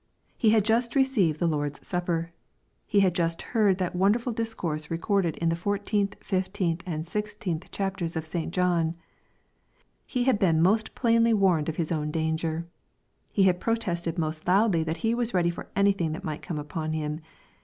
He had just received the Lord's supper. He had just heard that wonderful discourse recorded in the fourteenth, fifteenth, and sixteenth chapters of St. John. He had been most plainly warned of his own danger. He had protested most loudly that he was ready for anything that might come upon him.